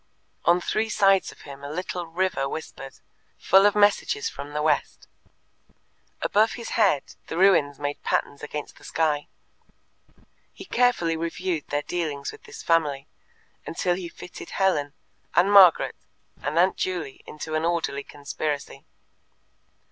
On three sides of him a little river whispered, full of messages from the west; above his head the ruins made patterns against the sky. He carefully reviewed their dealings with this family, until he fitted Helen, and Margaret, and Aunt Juley into an orderly conspiracy.